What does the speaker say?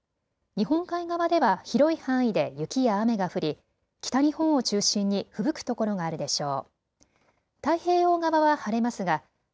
日本海側では広い範囲で雪や雨が降り北日本を中心にふぶく所があるでしょう。